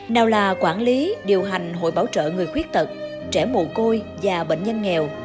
nào là quản lý điều hành hội bảo trợ người khuyết tật trẻ mồ côi và bệnh nhân nghèo